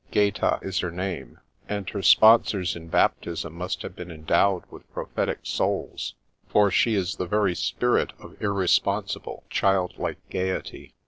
Gaeta is her name, and her sponsors in baptism must have been endowed with prophetic souls, for she is the very spirit of irresponsible, childlike gaiety.